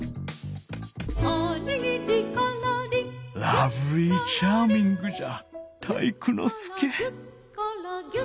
ラブリーチャーミングじゃ体育ノ介！